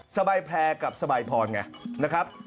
สบายแพร่กับสบายพรไงนะครับ